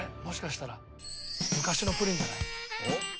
もしかしたら昔のプリンじゃない？」